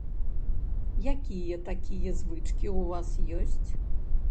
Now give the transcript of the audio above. Якія такія звычкі ў вас ёсць?